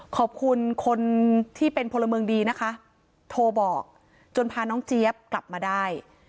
ขอบคุณคนที่เป็นพลเมืองดีนะคะโทรบอกจนพาน้องเจี๊ยบกลับมาได้